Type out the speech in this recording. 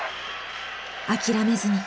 諦めずに。